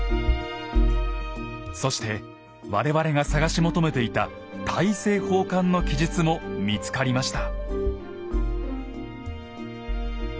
そして我々が探し求めていた大政奉還の記述も見つかりました。